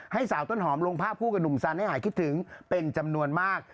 ให้สาวต้นหอมลงภาพคู่กับหนุ่มสันให้หายคิดถึงเป็นจำนวนมาก